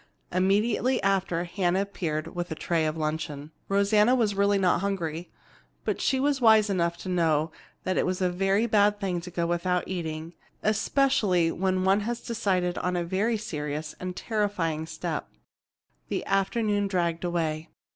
Immediately after, Hannah appeared with a tray of luncheon. Rosanna was really not hungry, but she was wise enough to know that it was a very bad thing to go without eating, especially when one has decided on a very serious and terrifying step. The afternoon dragged away.